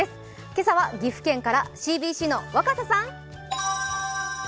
今朝は岐阜県からＣＢＣの若狭さん。